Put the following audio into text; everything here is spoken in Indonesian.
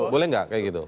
boleh enggak kayak gitu